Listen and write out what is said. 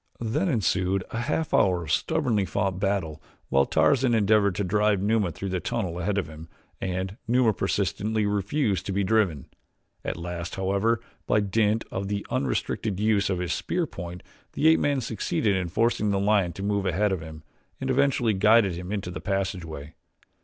Then ensued a half hour of stubbornly fought battle while Tarzan endeavored to drive Numa through the tunnel ahead of him and Numa persistently refused to be driven. At last, however, by dint of the unrestricted use of his spear point, the ape man succeeded in forcing the lion to move ahead of him and eventually guided him into the passageway.